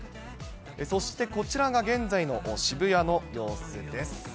そしてこちらが現在の渋谷の様子です。